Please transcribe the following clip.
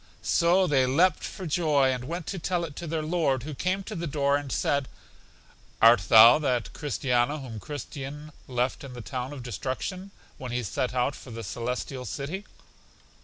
So they leapt for joy, and went to tell it to their Lord, who came to the door and said, Art thou that Christiana whom Christian left in the town of Destruction, when he set out for The Celestial City?